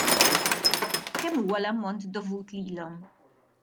Kemm huwa l-ammont dovut lilhom?